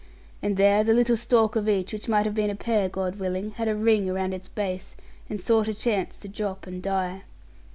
And there the little stalk of each, which might have been a pear, God willing, had a ring around its base, and sought a chance to drop and die.